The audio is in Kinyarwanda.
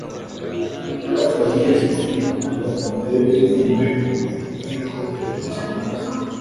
Byatwaye ukwezi kurenga kugira ngo ndenge imbeho ariko ubu meze neza